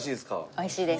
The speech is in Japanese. おいしいです。